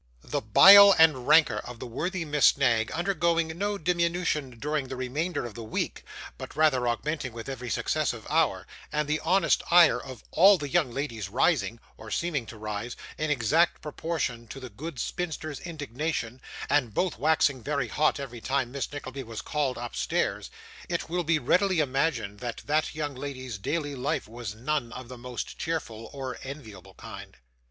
The bile and rancour of the worthy Miss Knag undergoing no diminution during the remainder of the week, but rather augmenting with every successive hour; and the honest ire of all the young ladies rising, or seeming to rise, in exact proportion to the good spinster's indignation, and both waxing very hot every time Miss Nickleby was called upstairs; it will be readily imagined that that young lady's daily life was none of the most cheerful or enviable kind.